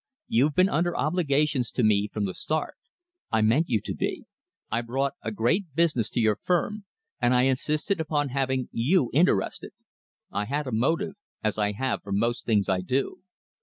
You've been under obligations to me from the start. I meant you to be. I brought a great business to your firm, and I insisted upon having you interested. I had a motive, as I have for most things I do.